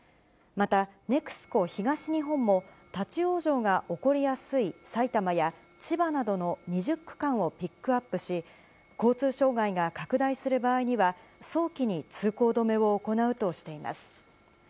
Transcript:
また、ＮＥＸＣＯ東日本も、立往生が起こりやすい埼玉や千葉などの２０区間をピックアップし、交通障害が拡大する場合には、早期に通行止めを行うとしています。